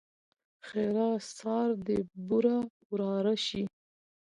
ښېرا؛ سار دې بوره وراره شي!